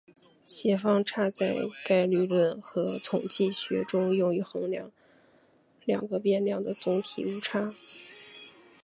协方差在概率论和统计学中用于衡量两个变量的总体误差。